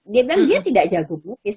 dia bilang dia tidak jago bukis